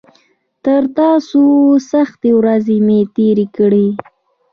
تر تاسو سختې ورځې مې تېرې کړي.